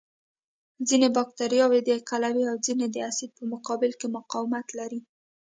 ځینې بکټریاوې د قلوي او ځینې د اسید په مقابل کې مقاومت لري.